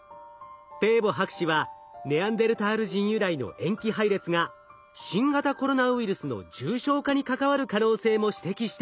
ペーボ博士はネアンデルタール人由来の塩基配列が新型コロナウイルスの重症化に関わる可能性も指摘しています。